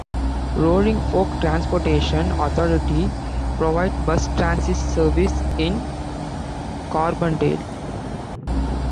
Roaring Fork Transportation Authority provides bus transit service in Carbondale.